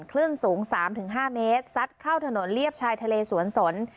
คลื่นสูง๓๕เมตรซัดเข้าถนนเลียบชายทะเลสวนสน